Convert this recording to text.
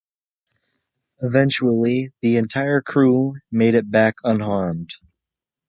Eventually, the entire crew made it back unharmed.